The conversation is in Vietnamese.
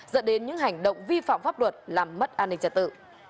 dẫn đến những hành động vi phạm pháp luật làm mất an ninh trật tự